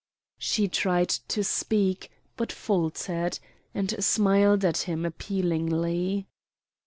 She tried to speak, but faltered, and smiled at him appealingly.